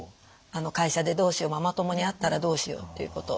あの「会社でどうしよう」「ママ友に会ったらどうしよう」っていうこと。